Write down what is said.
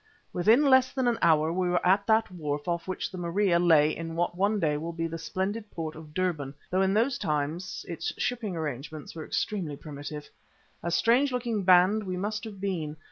Within less than an hour we were at that wharf off which the Maria lay in what one day will be the splendid port of Durban, though in those times its shipping arrangements were exceedingly primitive. A strange looking band we must have been.